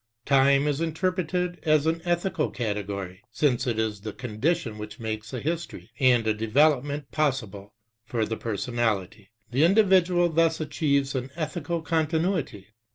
Time is interpreted as an ethical category, since it is the condition which makes a history and a development possible for the personality; the individual thus achieves an ethical continuity.